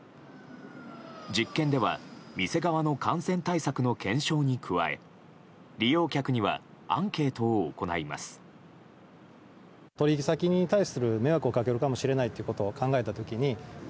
実験では店側の感染対策の検証に加え利用客にはアンケートを行います。